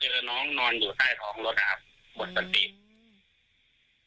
เจอน้องนอนอยู่ใต้ของรถครับหมดสติ